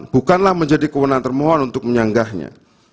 bukanlah menjadi kewenangan termohon untuk menyanggahnya